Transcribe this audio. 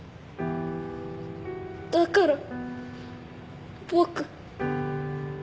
だから僕。